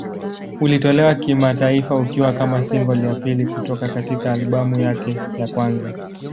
Ulitolewa kimataifa ukiwa kama single ya pili kutoka katika albamu yake ya kwanza.